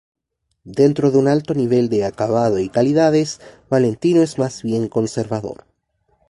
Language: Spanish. Dentro de un alto nivel de acabado y calidades, Valentino es más bien conservador.